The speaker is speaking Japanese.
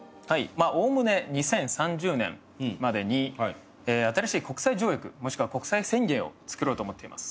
まあおおむね２０３０年までに新しい国際条約もしくは国際宣言をつくろうと思っています。